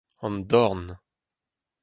an dorn